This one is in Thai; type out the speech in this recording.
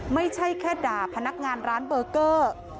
ไม่ใช่แค่ด่าพนักงานร้านเบอร์เกอร์